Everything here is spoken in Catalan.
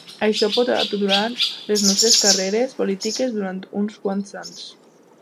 Això pot aturar les nostres carreres polítiques durant uns quants anys.